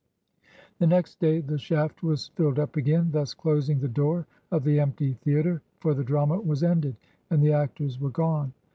The next day the shaft was filled up again, thus clos ing the door of the empty theater, for the drama was ended, and the actors were gone.